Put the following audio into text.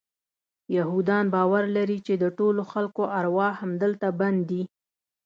یهودان باور لري چې د ټولو خلکو ارواح همدلته بند دي.